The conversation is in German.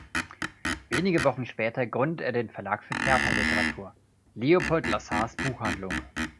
Wenige Wochen später gründete er den Verlag für Theaterliteratur „Leopold Lassar´s Buchhandlung“.